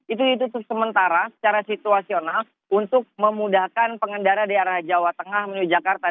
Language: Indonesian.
itu ditutup sementara secara situasional untuk memudahkan pengendara dari arah jawa tengah menuju jakarta